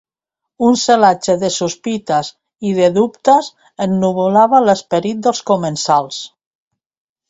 Un celatge de sospites i de dubtes ennuvolava l'esperit dels comensals.